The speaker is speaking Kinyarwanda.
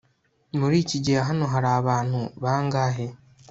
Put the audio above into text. Muri iki gihe hano hari abantu bangahe